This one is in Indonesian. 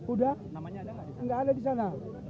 udah nggak ada di sana